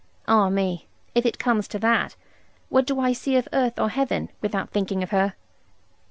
Ah me, if it comes to that, what do I see of earth or heaven, without thinking of her?